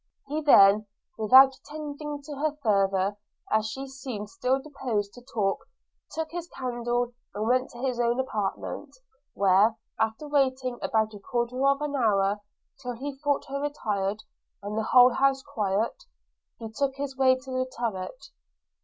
He then, without attending to her farther, as she seemed still disposed to talk, took his candle and went to his own apartment; where after waiting about a quarter of an hour, till he thought her retired and the whole house quiet, he took his way to the turret.